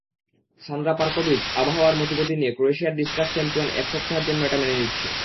Sandra পারকোভিচআবহাওয়ার মতিগতি নিয়ে ক্রোয়েশিয়ার discuss চ্যাম্পিয়নএক সপ্তাহের জন্য এটা মেনে নিচ্ছি।